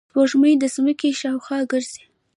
سپوږمۍ د ځمکې شاوخوا ګرځي